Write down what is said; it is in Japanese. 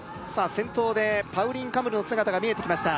先頭でパウリン・カムルの姿が見えてきました